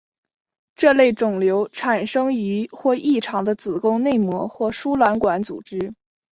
这类肿瘤产生于或异常的子宫内膜或输卵管组织。